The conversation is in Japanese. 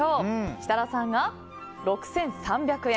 設楽さんが６３００円。